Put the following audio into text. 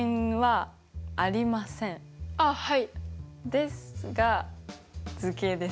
ですが図形です。